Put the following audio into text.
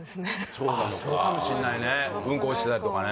そうかもしんないねうんこ落ちてたりとかね